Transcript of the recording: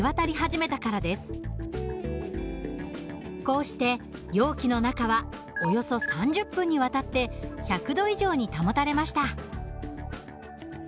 こうして容器の中はおよそ３０分にわたって１００度以上に保たれました。